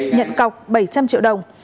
nhận cọc bảy trăm linh triệu đồng